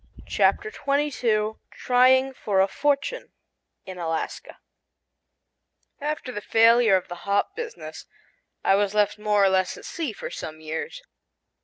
] CHAPTER TWENTY TWO TRYING FOR A FORTUNE IN ALASKA AFTER the failure of the hop business, I was left more or less at sea for some years.